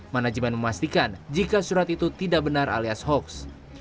manajemen memastikan jika surat itu tidak benar alias hoax